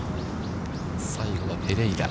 最後はペレイラ。